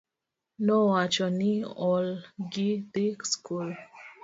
Nowacho ni ool gi dhi skul